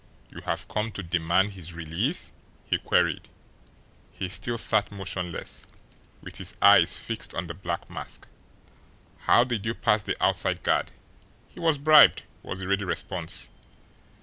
"You have come to demand his release, eh?" he queried. He still sat motionless, with his eyes fixed on the black mask. "How did you pass the outside guard?" "He was bribed," was the ready response.